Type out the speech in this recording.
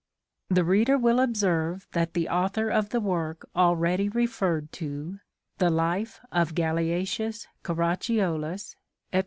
1 The reader will observe that the author of the work al ready referred to —" The Life of Galeacius Caracciolus," &c.